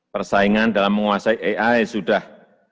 persaingan dalam menguasai ai sudah